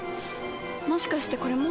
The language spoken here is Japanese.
もしかしてこれも？